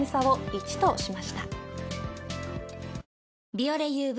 「ビオレＵＶ」